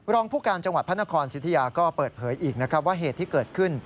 รองผู้การจังหวัดพระนครสิทธิยาก็เปิดเผยอีกนะครับว่าเหตุที่เกิดขึ้น